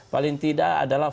paling tidak adalah